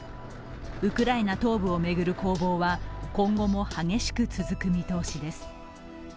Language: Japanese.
ウクライナ東部を巡る攻防は今後も激しく続く見通しです。